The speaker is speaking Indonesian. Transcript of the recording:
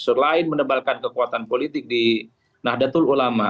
selain menebalkan kekuatan politik di nahdlatul ulama